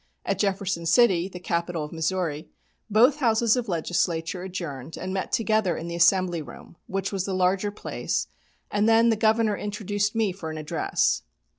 At Jefferson City, the capital of Missouri, both Houses of Legislature adjourned and met together in the Assembly Room, which was the larger place, and then the Governor introduced me for an address.